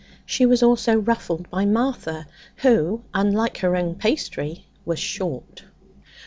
She was also ruffled by Martha, who, unlike her own pastry, was 'short.'